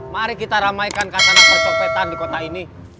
mari kita ramaikan kasanak kecopetan di kota ini